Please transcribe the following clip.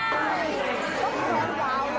เยี่ยมแล้ว